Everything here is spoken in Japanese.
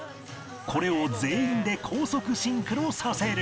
これを全員で高速シンクロさせる